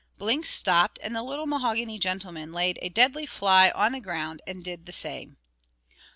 Blinks stopped, and the little mahogany gentleman laid a dead fly on the ground, and did the same.